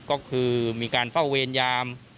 ก็คือมีการเฝ้าเวรยาม